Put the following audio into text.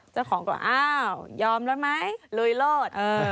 เจ้าของก็อ้าวยอมแล้วไหมลุยโลด